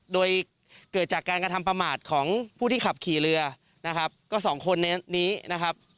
โดยเกิดจากการกระทำประมาทของผู้ที่ขับขี่เรือนะครับก็สองคนในนี้นะครับ